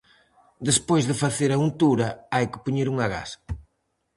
Despois de facer a untura, hai que poñer unha gasa.